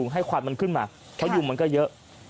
ให้ควันมันขึ้นมาเพราะยุงมันก็เยอะ